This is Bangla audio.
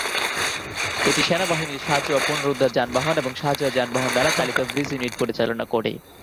এটি সেনাবাহিনীর সাঁজোয়া পুনরুদ্ধার যানবাহন এবং সাঁজোয়া যানবাহন দ্বারা চালিত ব্রিজ ইউনিট পরিচালনা করে।